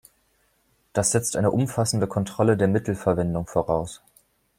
Das setzt eine umfassende Kontrolle der Mittelverwendung voraus.